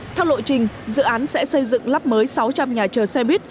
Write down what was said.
theo lộ trình dự án sẽ xây dựng lắp mới sáu trăm linh nhà chờ xe buýt